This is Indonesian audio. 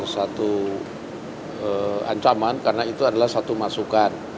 satu ancaman karena itu adalah satu masukan